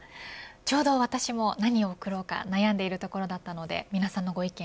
ちょうど私も何を贈ろうか悩んでいるところだったので皆さんのご意見